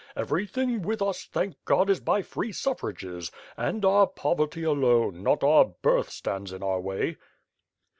Everything with us thank God is by free suffrages; and our poverty, alone, not our birth, stands in our way."